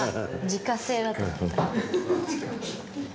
自家製だと思った。